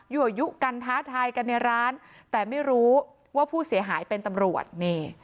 ั่วยุกันท้าทายกันในร้านแต่ไม่รู้ว่าผู้เสียหายเป็นตำรวจนี่